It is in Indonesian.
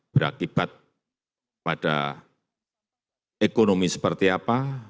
berakibat pada ekonomi seperti apa